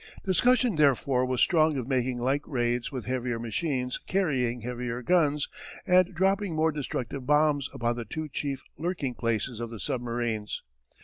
Discussion therefore was strong of making like raids with heavier machines carrying heavier guns and dropping more destructive bombs upon the two chief lurking places of the submarines.